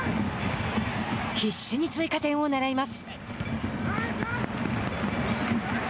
必死に追加点を狙います。